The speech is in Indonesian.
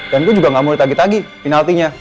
dan gue juga gak mau ditagi tagi penaltinya